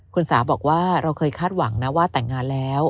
คุณสาบอกว่าเราเคยคาดหวังนะว่าแต่งงานแล้ว